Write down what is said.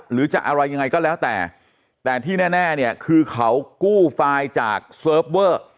หรือจะอะไรยังไงก็แล้วแต่แต่ที่แน่เนี่ยคือเขากู้ไฟล์จากเซิร์ฟเวอร์